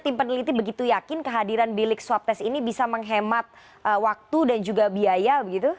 tim peneliti begitu yakin kehadiran bilik swab test ini bisa menghemat waktu dan juga biaya begitu